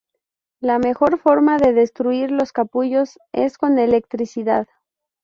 La mejor forma de destruir los capullos es con electricidad.